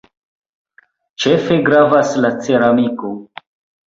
Ĉefe gravas la ceramiko.